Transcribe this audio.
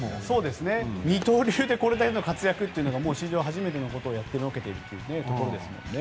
二刀流でこれだけの活躍というのは史上初めてのことをやってのけているということですね。